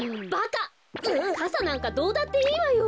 かさなんかどうだっていいわよ。